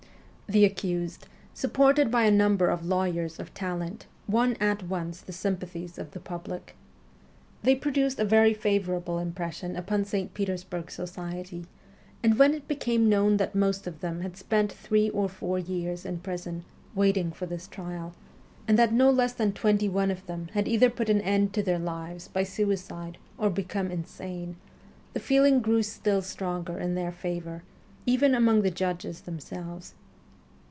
The accused, supported by a number of lawyers of talent, won at once the sympathies of the public. They produced a very favourable impression upon St. Petersburg society; and when it became known that most of them had spent three or four years in prison, waiting for this trial, and that no less than twenty one of them had either put an end to their lives by suicide or become insane, the feeling grew still stronger in their favour, even among the judges them selves.